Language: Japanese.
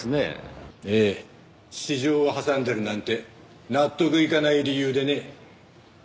ええ私情を挟んでるなんて納得いかない理由でね。